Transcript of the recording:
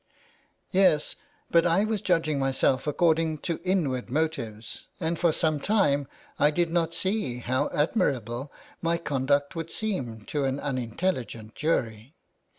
" Yes, but I was judging myself according to inward motives, and for some time I did not see how admir able my conduct would seem to an unintelligent jury.